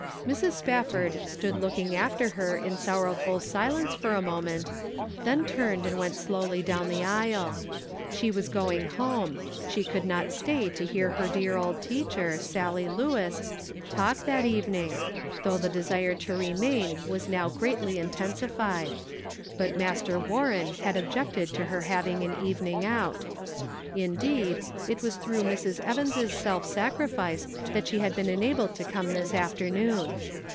Mrs. Spafford stood looking after her in sorrowful silence for a moment, then turned and went slowly down the aisle. She was going home ; she could not stay to hear her dear old teacher, Sallie Lewis, talk that even ing, though the desire to remain was now greatly intensified ; but Master Warren had objected to her having an evening out. Indeed, it was through Mrs. Evans' self sacrifice that she had been enabled to come this after noon.